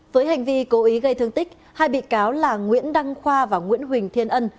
với hành vi cố ý gây thương tích hai bị cáo là nguyễn đăng khoa và nguyễn huỳnh thiên ân